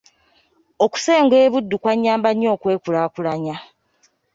Okusenga e Buddu kwannyamba nnyo okwekulaakulanya.